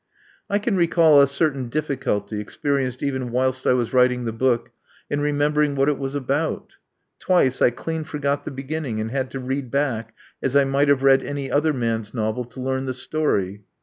I can recall a certain difficulty, experienced even whilst I was writing the book, in remembering what it was about. Twice I clean forgot the beginning, and had to read back, as I might have read any other man's novel, to learn the story.